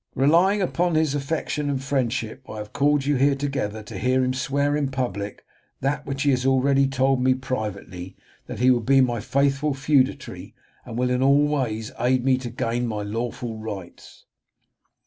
Relying upon his affection and friendship, I have called you here together to hear him swear in public that which he has already told me privately that he will be my faithful feudatory, and will in all ways aid me to gain my lawful rights."